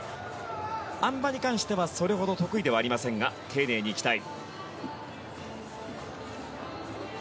あん馬に関してはそれほど得意ではありませんが丁寧に行きたい。